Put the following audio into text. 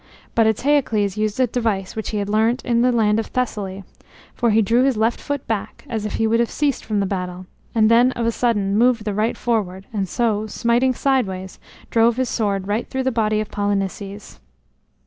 But Eteocles used a device which he had learnt in the land of Thessaly; for he drew his left foot back, as if he would have ceased from the battle, and then of a sudden moved the right forward; and so smiting sideways, drove his sword right through the body of Polynices.